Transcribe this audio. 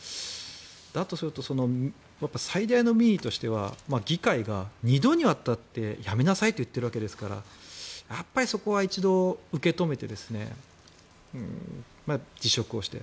だとすると、最大の民意としては議会が２度にわたって辞めなさいと言っているわけですからやっぱり、そこは一度受け止めて辞職をして。